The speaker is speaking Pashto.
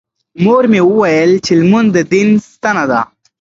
مور مې وویل چې لمونځ د دین ستنه ده.